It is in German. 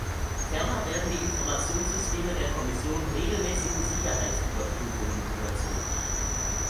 Ferner werden die Informationssysteme der Kommission regelmäßigen Sicherheitsüberprüfungen unterzogen.